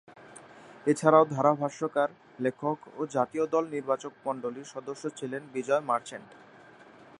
এছাড়াও ধারাভাষ্যকার, লেখক ও জাতীয় দল নির্বাচকমণ্ডলীর সদস্য ছিলেন বিজয় মার্চেন্ট।